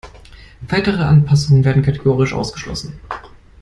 Weitere Anpassungen werden kategorisch ausgeschlossen.